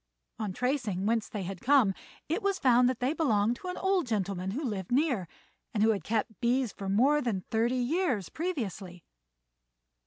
On tracing whence they had come, it was found that they belonged to an old gentleman who lived near, and who had kept bees for more than thirty years previously.